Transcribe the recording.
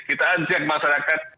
kita ajak masyarakat